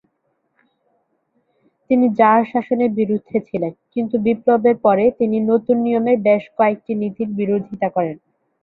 তিনি জার শাসনের বিরুদ্ধে ছিলেন কিন্তু বিপ্লবের পরে তিনি নতুন নিয়মের বেশ কয়েকটি নীতির বিরোধিতা করেন।